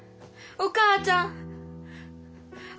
お母ちゃん！